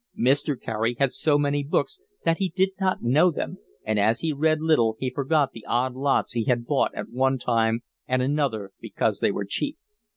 Mr. Carey had so many books that he did not know them, and as he read little he forgot the odd lots he had bought at one time and another because they were cheap.